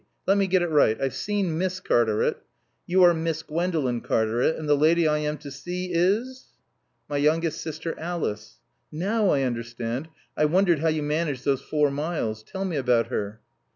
Let me get it right. I've seen Miss Cartaret. You are Miss Gwendolen Cartaret. And the lady I am to see is ? "My youngest sister, Alice." "Now I understand. I wondered how you managed those four miles. Tell me about her."